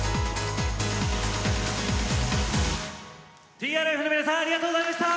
ＴＲＦの皆さんありがとうございました。